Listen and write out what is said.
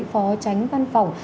phó tránh văn phòng